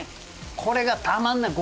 これがたまんない！